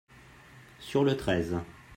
sur le treize.